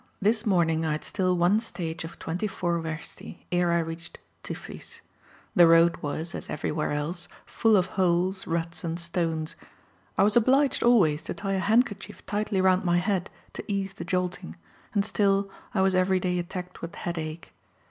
This morning I had still one stage of twenty four wersti ere I reached Tiflis. The road was, as everywhere else, full of holes, ruts and stones. I was obliged always to tie a handkerchief tightly round my head, to ease the jolting; and still, I was every day attacked with headache.